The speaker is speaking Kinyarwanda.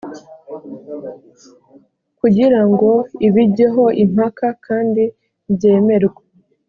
kugira ngo ibijyeho impaka kandi byemerwe